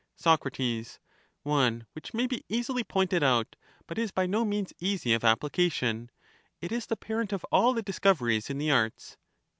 from the ' Soc, One which may be easily pointed out, but is by no one to the means easy of application ; it is the parent of all the dis ^^f^ ^ coveries in the arts.